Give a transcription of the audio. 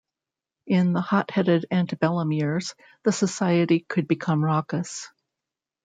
In the hotheaded antebellum years, the Society could become raucous.